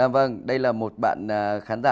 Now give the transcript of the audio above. vâng đây là một bạn khán giả